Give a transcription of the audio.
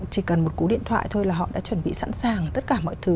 chỉ cần một cú điện thoại thôi là họ đã chuẩn bị sẵn sàng tất cả mọi thứ